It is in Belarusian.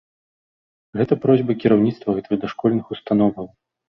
Гэта просьба кіраўніцтва гэтых дашкольных установаў.